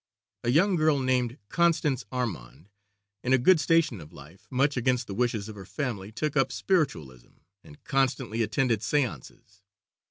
A young girl named Constance Armande, in a good station of life, much against the wishes of her family, took up spiritualism and constantly attended séances.